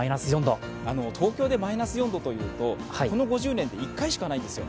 東京でマイナス４度この５０年で１回しかないんですよ。